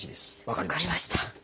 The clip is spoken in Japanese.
分かりました。